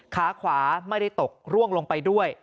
ขาขวาไม่ได้ตกร่วงลงไปด้วย